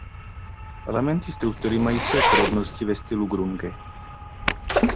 Elementy struktury mají své podobnosti ve stylu grunge.